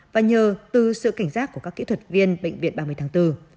và nhờ từ sự cảnh giác của các kỹ thuật viên bệnh viện ba mươi tháng bốn